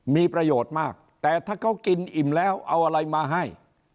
มีประโยชน์มากแต่ถ้าเขากินอิ่มแล้วเอาอะไรมาให้